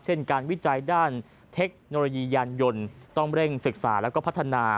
เช่นการวิจัยด้านเทคโนโลยียานยนต์ต้องเร่งศึกษาแล้วก็พัฒนา